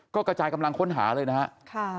ก็กระจายกำลังค้นหาเลยนะครับ